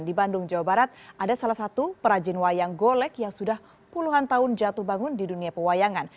di bandung jawa barat ada salah satu perajin wayang golek yang sudah puluhan tahun jatuh bangun di dunia pewayangan